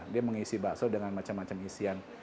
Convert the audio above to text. dia mengisi bakso dengan macam macam isian